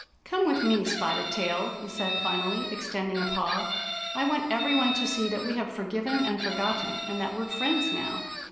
" Come with me. Spotted Tail," he said finally, extending a paw. " I want every one to see that we have forgiven and forgotten, and that we're friends now."